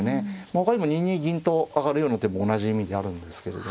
ほかにも２二銀と上がるような手も同じ意味になるんですけれども。